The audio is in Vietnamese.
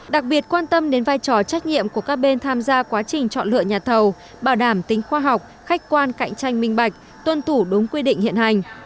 đặc biệt quan tâm đến vai trò trách nhiệm của các bên tham gia quá trình chọn lựa nhà thầu bảo đảm tính khoa học khách quan cạnh tranh minh bạch tuân thủ đúng quy định hiện hành